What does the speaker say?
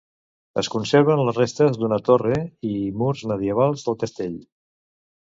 Es conserven les restes d'una torre i murs medievals del castell.